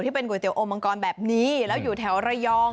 เป็นก๋วยเตี๋อมมังกรแบบนี้แล้วอยู่แถวระยอง